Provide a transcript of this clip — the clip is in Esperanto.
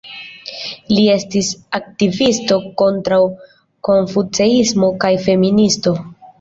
Li estis aktivisto kontraŭ konfuceismo kaj feministo.